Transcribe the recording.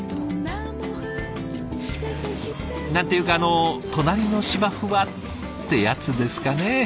何ていうかあの隣の芝生はってやつですかね。